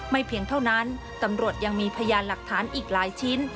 เพียงเท่านั้นตำรวจยังมีพยานหลักฐานอีกหลายชิ้น